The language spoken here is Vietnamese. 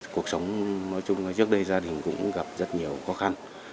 cuộc sống nói chung trước đây gia đình cũng gặp rất nhiều khó khăn